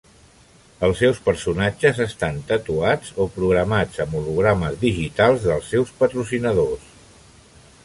Els seus personatges estan tatuats o programats amb hologrames digitals dels seus patrocinadors.